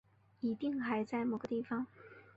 一定还在某个地方